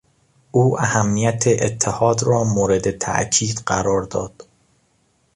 او اهمیت اتحاد را مورد تاکید قرار داد.